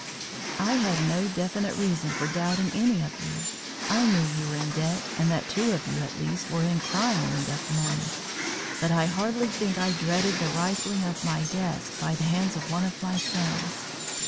I had no definite reason for doubting any of you. I knew you were in debt and that two of you at least were in crying need of money, but I hardly think I dreaded the rifling of my desk by the hands of one of my sons.